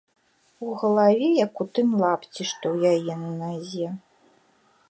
У галаве, як у тым лапці, што ў яе на назе.